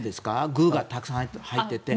具がたくさん入っていて。